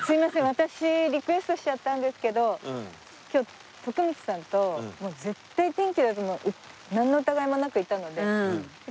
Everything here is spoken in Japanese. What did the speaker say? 私リクエストしちゃったんですけど今日徳光さんともう絶対天気だとなんの疑いもなくいたので。